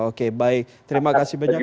oke baik terima kasih banyak